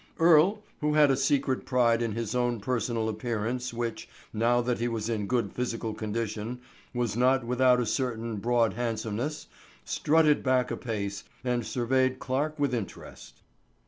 Earle, who had a secret pride in his own personal appearance which, now that he was in good physical condition, was not without a certain broad handsomeness, strutted back a pace and surveyed Clarke with interest.